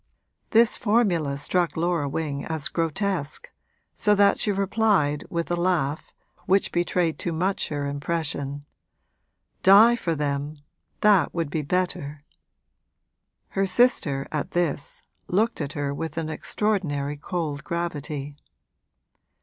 This formula struck Laura Wing as grotesque, so that she replied with a laugh which betrayed too much her impression, 'Die for them that would be better!' Her sister, at this, looked at her with an extraordinary cold gravity.